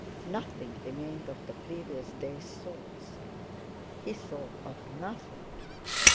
Nothing remained of the previous day's thoughts. He thought of nothing.